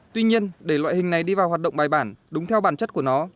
tuy nhiên để loại hình này đi vào hoạt động bài bản đúng theo bản chất của nó